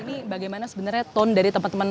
ini bagaimana sebenarnya tone dari teman teman